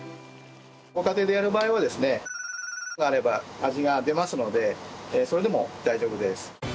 ご家庭でやる場合はですねがあれば味が出ますのでそれでも大丈夫です。